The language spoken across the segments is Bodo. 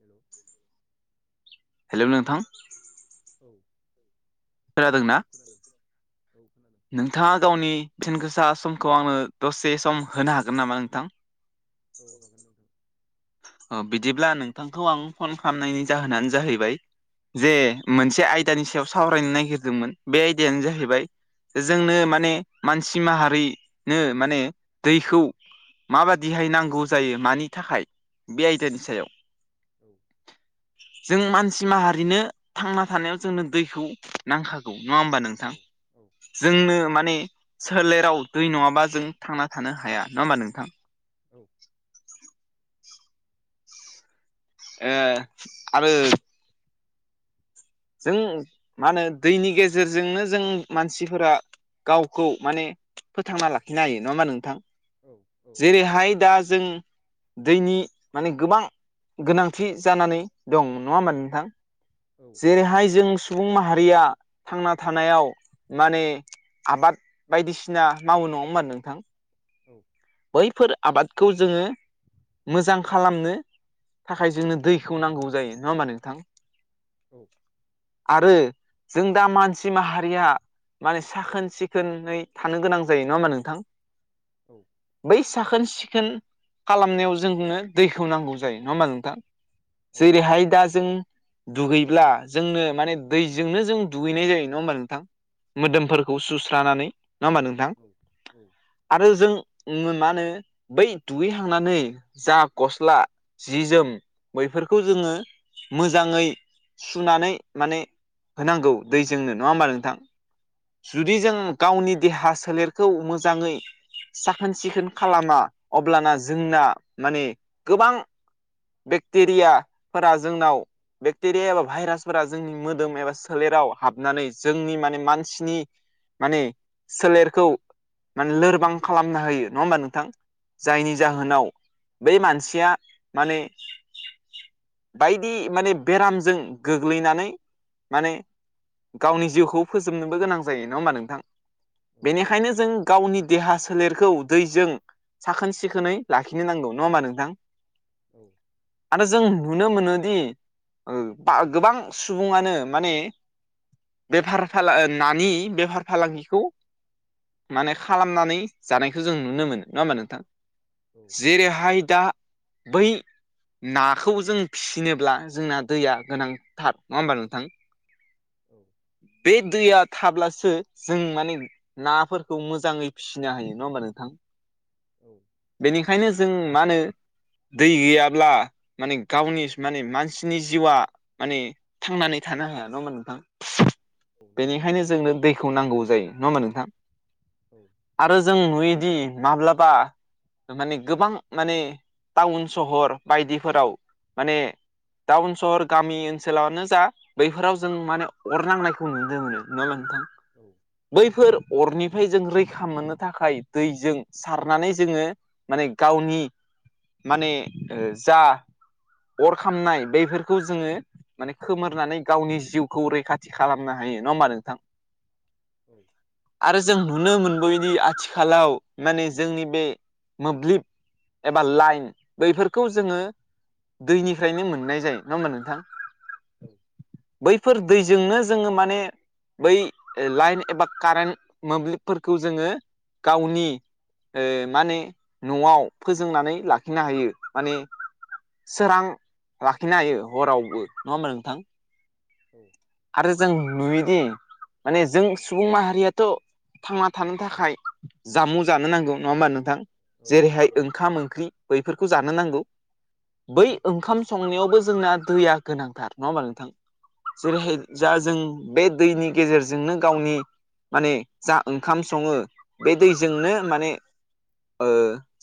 हेलौ हेलौ नोंथां औ औ खोनादोंना खोनादों औ खोनादों नोंथाङा गावनि बेसेन गोसा समखौ आंनो दसे सम होनो हागोन नामा नोंथां औ हागोन नोंथां अ बिदिब्ला नोंथांखौ आं फन खालामनायनि जाहोनानो जाहैबाय जे मोनसे आयदानि सायाव सावरायनो नागिरदोंमोन बे आयदायानो औ जाहैबाय जोंनो माने मानसि माहारिनो माने दैखौ माबायदिहाय नांगौ जायो मानि थाखाय बे औ आयदानि सायाव लांदां औ जों मानसि माहारिनो थांना थानायाव जोंनो दैखौ नांखागौ नङा होमबा नों औ थां औ जोंनो माने सोलेराव दै नङाबा जों थांना थानो हाया नङा होमबा नोंथां औ ओ आरो जों मा होनो दैनि गेजेरजोंनो जों मानसिफोरा गावखौ माने फोथांना लाखिनो हायो नङा होमबा नोंथां औ जेरैहाय दा जों दैनि माने गोबां गोनांथि जानानै दं नङा होमबा नोंथां औ जेरैहाय जों सुबुं माहारिया थांना थानायाव माने आबाद बायदिसिना मावो नङा होमबा नोंथां औ बैफोर आबादखौ जोङो मोजां खालामनो थाखाय जोंनो दैखौ नांगौ जायो नङा होमबा नोंथां औ आरो जों दा मानसि माहारिया माने साखोन सिखोनै थानो गोनां जायो नङा होनबा नोंथां औ बै साखोन सिखोन खालामनायाव जोंनो दैखौ नांगौ जायो नङा होमब्ला नोंथां? औ जेरैहाय दा जों दुगैब्ला जोंनो माने दैजोंनो जों दुगैनाय जायो नङा होमबा नोंथां? मोदोमफोरखौ सुस्रानानै नङा होमबा नोंथां आरो जों उम मा होनो बै दुगैखांनानै जा गस्ला जि जोम बैफोरखौ जोङो मोजाङै सुनानै माने होनांगौ दैजोंनो नङा होमबा नोंथां? जुदि जों गावनि देहा सोलेरखौ मोजाङै साखोन सिखोन खालामा अब्लाना जोंना माने गोबां बेक्टेरियाफोरा जोंनाव बेक्टेरिया एबा भाइरासफोरा जोंनि मोदोम एबा सोलेराव हाबनानै जोंनि माने मानसिनि माने सोलेरखौ माने लोरबां खालामना होयो नङा होमबा नोंथां जायनि जाहोनाव बै मानसिया माने बायदि माने बेरामजों गोग्लैनानै माने गावनि जिउखौ फोजोबनोबो गोनां जायो नङा होमबा नोंथां बेनिखायनो जों गावनि देहा सो सोलेरखौ दैजों साखोन सिखोनै लाखिनो नांगौ नङा होमबा नोंथां? औ आरो जों नुनो मोनोदि ओब बा गोबां सुबुङानो माने बेफार फाला -नानि बेफार फालांगिखौ माने खालामनानै जानायखौ जों नुनो मोनो नङा होमा नोंथां औ नंगौ नोंथां जेरैहाय दा बै नाखौ जों फिसिनोब्ला जोंना दैया गोनांथार नङा होमबा नोंथां? फेफौ [unintelligible] औ बे दैया थाब्लासो जों माने नाफोरखौ मोजाङै फिसि फिसिना होयो नङा होमबा नोंथां। औ बेनिखायनो जों मा होनो दै गैयाब्ला माने गावनि माने मानसिनि जिउआ माने थांनानै थानो हाया नङा होमबा नोंथां औ नंगौ नोंथां बेनिखायनो जोंनो दैखौ नांगौ जायो नङा होमबा नोंथां। औ आरो जों जुयोदि माब्लाबा माने गोबां माने टाउन सहर बायदिफोराव माने टाउन सहर गामि ओनसोलावानो जा बैफोराव जों माने अरनांनायखौ नुनो मोनो नङा नोंथां? औ औ बैफोर अरनिफ्राय जों रै मोननो थाखाय दैजों सारनानै जोङो माने गावनि माने जा अर खामनाय बैफोरखौ जोङो माने खोमोरनानै गावनि जिउखौ रैखाथि खालामनो हायो नङा होमबा नोंथां? औ आरो जों नुनो मोनबोयदि आथिखालाव माने जोंनि बे मोब्लिब एबा लाइन बैफोरखौ जोङो दैनिफ्रायनो मोननाय जायो नङा होमबा नोंथां औ बैफोर दैजोंनो जोङो माने बै लाइन एबा कारेन्ट मोब्लिब फोरखौ जोङो गावनि ओ माने न'आव फोजोंनानै लाखिनो हायो माने सोरां लाखिनो हायो हरावबो नङा होमब्ला नोंथां औ आरो जों नुयोदि माने जों सुबुं माहारियाथ' थांना थानो थाखाय जामुं जानो नांगौ नङा होमबा नोंथां औ जेरैहाय ओंखाम ओंख्रि बैफोरखौ जानो नांगौ बै ओंखाम संनायावबो जोंना दैया गोनांथार नङा होमबा नोंथां जेरैहाय जा जों बे दैनि गेजेरजोंनो गावनि माने जा ओंखाम सङो बे दैजोंनो माने ओ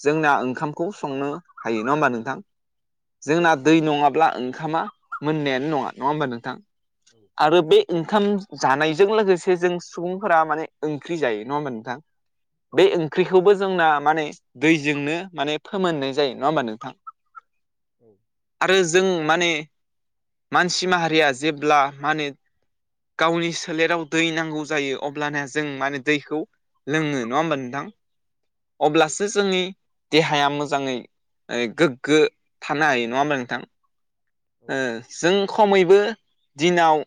जोंना ओंखामखौ संनो हायो नङा होमबा नोंथां जोंना दै नङाब्ला ओंखामा मोननायानो नङा नङा होमबा नोंथां औ आरो बे ओंखाम जानायजों लोगोसे जों सुबुंफोरा माने ओंख्रि जायो नङा होमबा नोंथां बे ओं ओंख्रिखौबो जोंना माने दैजोंनो माने फोमोननाय जायो नङा होमबा नोंथां औ आरो जों माने मानसि माहारिया जेब्ला माने गावनि सोलेराव दै नांगौ जायो अब्लाने। जों माने दैखौ लोङो नङा होमबा नोंथां अब्लासो। जोंनि देहाया मोजाङै गोग्गो थानो हायो नङा होमबा नोंथां। ओ जों खमैबो दिनाव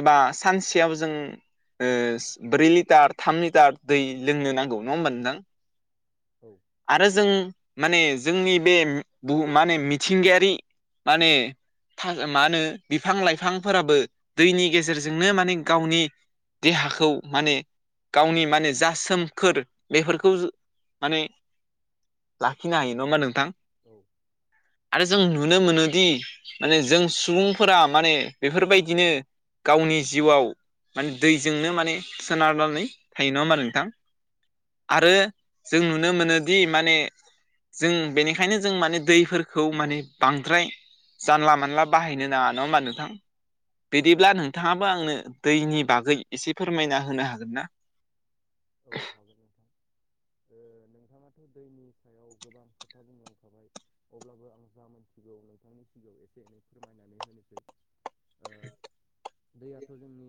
एबा सानसेयाव जों। ओ ब्रै लिटार थाम लिटार दै लोंनो नांगौ नङा होमबा नोंथां। औ। आरो जों माने जोंनि बे बुहुम माने मिथिंगायारि। माने। था मा होनो बिफां लाइफांफोराबो दैनि गेजेरजोंनो माने गावनि। देहाखौ माने। गावनि माने जा सोमखोर बेफोरखौ माने। लाखिनो हायो नङा नोंथां। औ। आरो जों नुनो मोनोदि। माने जों सुबुंफोरा माने बेफोरबायदिनो गावनि जिउआव। माने दैजोंनो माने सोनारनानै थायो नङा होमबा नोंथां आरो। जों नुनो मोनोदि माने। जों बेनिखायनो जों माने दैफोरखौ माने बांद्राय। जानला मोनला बाहायनो नाङा नङा होमबा नोंथां। औ औ बिदिब्ला नोंथाङाबो आंनो दैनि बागै एसे फोरमायना होनो हागोन ना। औ हागोन नोंथां। ओ नोंथाङाथ' दैनि सायाव गोबां खोथा बुंलांखाबाय। अब्लाबो आं जा मोनथिगौ नोंथांनि सिगाङाव एसे एनै फोरमायनानै होनोसै। ओ। दैयाथ' जोंनि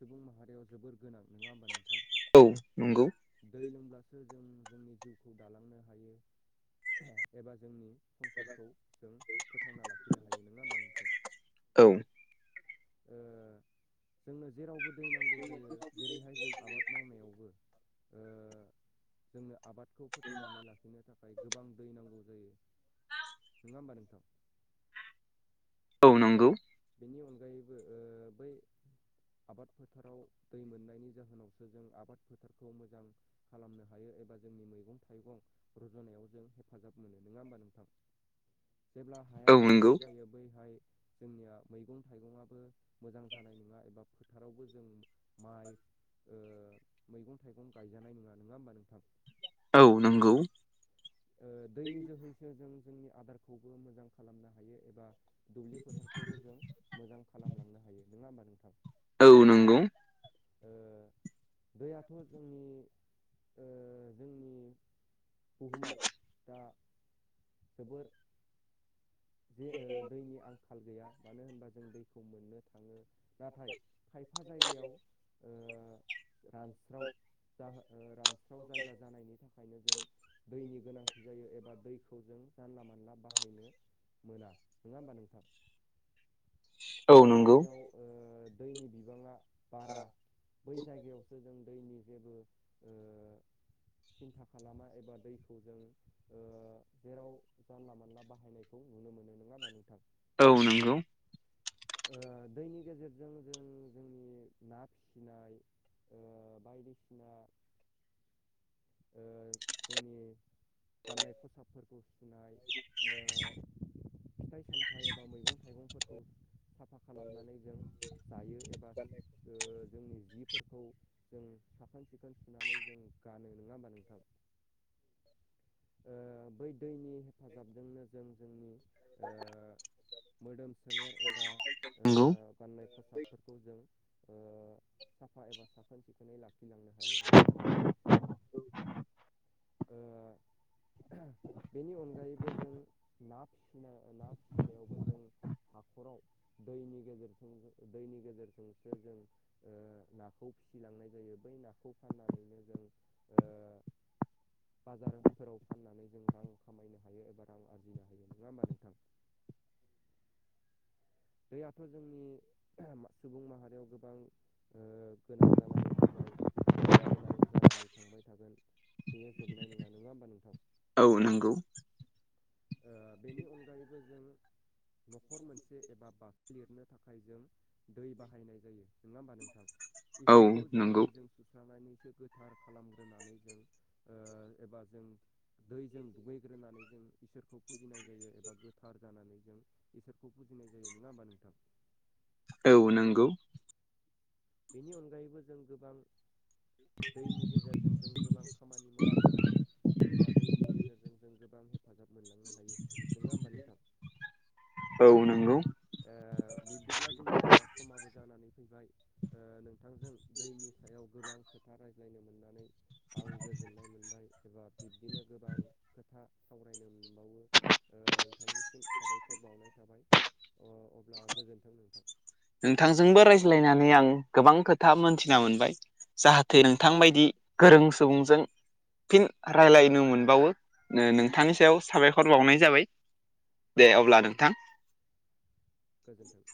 सुबुं माहारियाव जोबोर गोनां नङा होमबा नोंथां। औ नंगौ। दै लोंब्लासो जों जोंनि जिउखौ दालांनो हायो एबा जोंनि। संसारखौ जों फोथांना लाखिनो हायो नोङा होमबा नोंथां। औ ओ जोंनो जेरावबो दै नांगौ जायो जेरैहाय जों आबाद मावनायावबो। ओ जोंनो आबादखौ फोथांनानै लाखिनो थाखा खाय गोबां दै नांगौ जायो नङा होमबा नोंथां। औ ओ नंगौ बेनि अनगायैबो ओ बै आबाद फोथाराव दै मोननायनि जाहोनावसो जों आबाद फोथारखौ मोजां। खालामनो हायो एबा जोंनि मैगं थाइगं रज'नायाव जों हेफाजाब मोनो नङा होमबा नोंथां। [unintelligible] जेब्ला हाया औ नंगौ रानस्राव जायो बैहाय जोंनिया मैगं थाइगंआ। बो मोजां जानाय नङा एबा फोथारावबो जों माइ। ओ मैगं थाइगं गायजानाय नङा नङा होमबा नोंथां औ नोंगौ ओ दैनि जोहैसो जों जोंनि आदारखौबो मोजां खालामनो हायो एबा। दुब्लि फोथारखौबो जों मोजां खालामलांनो हायो नोङा होमबा नोंथां। औ नोंगौ ओ दैयाथ' जोंनि ओ जोंनि बुहुमाव दा जोबोर। जे ओ दैनि आंखाल गैया मानो होनबा जों दैखौ मोननो थाङो। नाथाय खायफा जायगायाव ओ रानस्राव। जा ओ रानस्राव जायगा जानायनि थाखायनो जों। दैनि गोनांथि जायो एबा दैखौ जों जानला मानला बाहायनो। मोना नङा होमबा नोंथां औ जा नंगौ जायगायाव। औ ओ दैनि बिबाङा। बारा बै जायगायावसो जों दैनि जेबो ओ सिन्था खालामा एबा दैखौ जों ओ जेराव जानला मानला बाहायनायखौ। नुनो मोनो नोङा होमबा नोंथां। औ नोंगौ ओ दैनि गेजेरजों जों जोंनि ना फिसिनाय। ओ बायदिसिना। ओ जोंनि गाननाय खसाबफोरखौ। सुनाय ओ फिथाइ सामथाइ एबा मैगं थाइगंफोरखौ। साफा खालामनानै जों जायो एबा ओ जोंनि जि। फोरखौ जों साखोन सिखोन सुनानै जों गानो नोङा होमबा नोंथां। ओ बै दैनि हेफाजाबजोंनो जों जोंनि। ओ मोदोम सोलेर एबा ओ। नंगौ गाननाय खसाबफोरखौ जों ओ साफा एबा साखोन सिखोनै लाखि। लांनो हायो नोङा होमबा नोंथां ओ बेनि अनगायैबो जों ना फिसिनो ना फिसिनायावबो जों। हाखराव दैनि गेजेरजों दैनि गेजेरजोंसो जों। ओ नाखौ फिसिलांनाय जायो बै नाखौ फाननानैनो जों ओ। बाजारफोराव फाननानै जों रां खामायनो हायो एबा रां आरजिनो हायो नोङा होमबा नोंथां। दैयाथ' जोंनि सुबुं माहारियाव गोबां। ओ गोनां जानानै फैबाय एबा गोनां जानानै थांबाय थागोन। बियो जोबनाय नोङा नोङा होमबा नोंथां। औ नोंगौ। ओ बेनि अनगायैबो जों न'खर मोनसे। एबा बाथ लिरनो थाखाय जों दै बाहायनाय जायो नोंङा होमबा नोंथां। औ नंगौ औ इसोरखौ जों नंगौ दैजों सु। सुस्रानानैसो गोथार खालामग्रोनानै जों ओ एबा जों। दैजों दुगैग्रोनानै जों इसोरखौ फुजिनाय जायो एबा गोथार जानानै जों। इसोरखौ फुजिनाय जायो नोङा होमबा नोंथां। औ नोंगौ। बेनि अनगायैबो जों गोबां। दैनि गेजेरजों जों गोबां खामानि मावलांनो हायो। एबा दैनि गेजेरजों जों गोबां हे। हेफाजाब मोनलांनो हायो नोङा होमबा नोंथां। ओ औ नंगौ बिबब्दिब्ला जोंनिया समाबो जानानै फैबाय। ओ नोंथांजों दैनि सायाव गोबां खोथा रायज्लायनो मोननानै। आं गोजोननाय मोनबाय एबा बिब्दिनो गोबां खोथा सावरायनो मोनबावो। ओ नोंथांनिसिम साबायखर बावनाय थाबाय अ अब्ला गोजोन्थों नोंथां। नोंथांजोंबो रायज्लायनानै आं गोबां खोथा मोनथिना मोनबाय। जाहाथे नोंथांबायदि गोरों सुबुंजों। फिन रायजलायनो मोनबावो ओ नोंथांनि सायाव साबायखर बावनाय जाबाय। दे अब्ला नोंथां। गोजोन्थों।